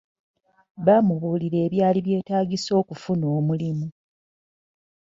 Baamubuulira ebyali byetagisa okufuna omulimu.